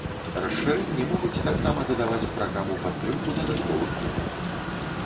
Расшырэнні могуць таксама дадаваць у праграму падтрымку дадатковых моў.